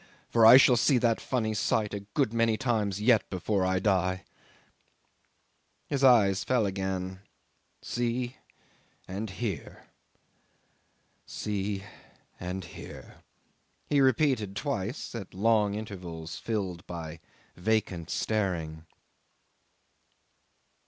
for I shall see that funny sight a good many times yet before I die." His eyes fell again. "See and hear. ... See and hear," he repeated twice, at long intervals, filled by vacant staring.